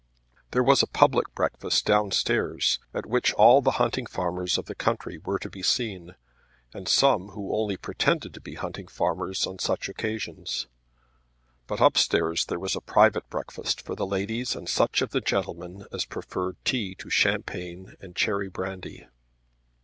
There was a public breakfast down stairs, at which all the hunting farmers of the country were to be seen, and some who only pretended to be hunting farmers on such occasions. But up stairs there was a private breakfast for the ladies and such of the gentlemen as preferred tea to champagne and cherry brandy.